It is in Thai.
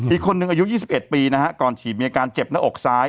อีกคนนึงอายุ๒๑ปีนะฮะก่อนฉีดมีอาการเจ็บหน้าอกซ้าย